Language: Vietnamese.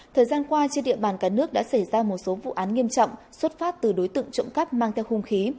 thời gian qua trên địa bàn cả nước đã xảy ra một số vụ án nghiêm trọng xuất phát từ đối tượng trộm cắp mang theo hung khí